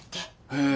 へえ。